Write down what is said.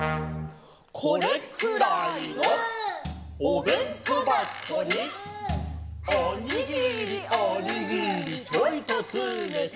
「これくらいのおべんとばこに」「おにぎりおにぎりちょいとつめて」